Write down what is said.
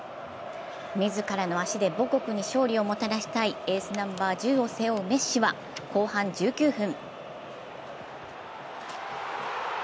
自らの足で母国に勝利をもたらしたいエースナンバー１０を背負うメッシは後半１９分。